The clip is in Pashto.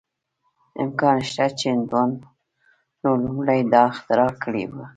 امکان شته چې هندوانو لومړی دا اختراع کړې وه.